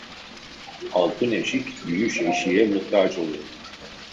Altın eşik, gümüş eşiğe muhtaç olur.